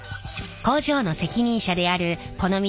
工場の責任者であるこの道